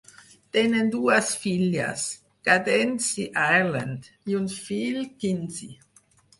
Tenen dues filles, Cadence i Ireland; i un fill, Kinzy.